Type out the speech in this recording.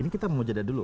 ini kita mau jeda dulu